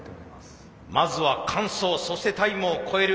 まずは完走そしてタイムを超える。